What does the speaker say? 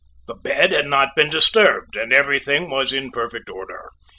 The bed had not been disturbed, and everything was in perfect order.